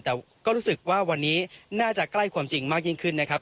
แต่ก็รู้สึกว่าวันนี้น่าจะใกล้ความจริงมากยิ่งขึ้นนะครับ